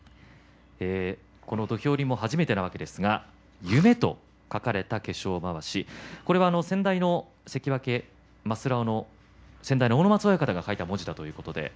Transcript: この土俵入りも初めてなわけですが夢と書かれた化粧まわしこれは先代の関脇、益荒雄の先代の阿武松親方が書いたということですね。